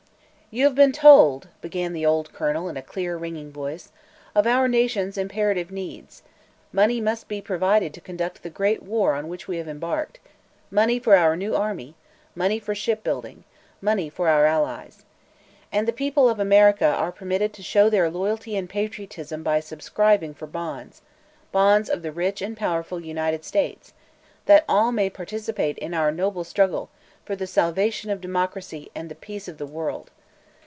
"You have been told," began the old colonel in a clear, ringing voice, "of our Nation's imperative needs. Money must be provided to conduct the great war on which we have embarked money for our new army, money for ship building, money for our allies. And the people of America are permitted to show their loyalty and patriotism by subscribing for bonds bonds of the rich and powerful United States that all may participate in our noble struggle for the salvation of democracy and the peace of the world.